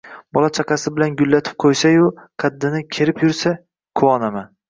Bola-chaqasi bilan gullatib qo’ysa-yu, qaddini kerib yursa, quvonaman.